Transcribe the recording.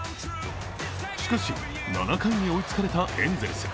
しかし、７回に追いつかれたエンゼルス。